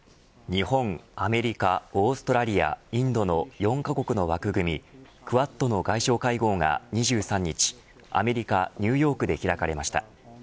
日本、アメリカオーストラリア、インドの４カ国の枠組みクアッドの外相会合が２３日アメリカニューヨークで開かれました。